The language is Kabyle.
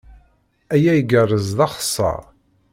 Aya igerrez d axeṣṣar.